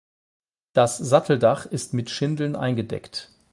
Das Satteldach ist mit Schindeln eingedeckt.